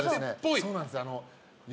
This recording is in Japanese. そうなんですよ